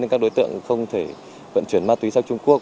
nên các đối tượng không thể vận chuyển ma túy sang trung quốc